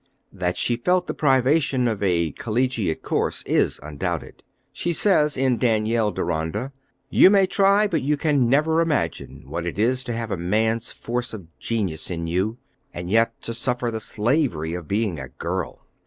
That she felt the privation of a collegiate course is undoubted. She says in Daniel Deronda: "You may try, but you can never imagine what it is to have a man's force of genius in you, and yet to suffer the slavery of being a girl."